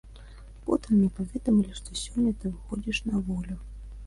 Потым мне паведамілі, што сёння ты выходзіш на волю.